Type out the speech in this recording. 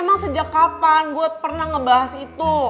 emang sejak kapan gue pernah ngebahas itu